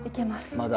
まだ。